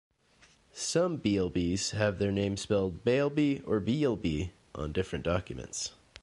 Some Bielby's have their names spelled Beilby or Beelby on different documents.